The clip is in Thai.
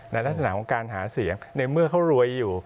ลักษณะของการหาเสียงในเมื่อเขารวยอยู่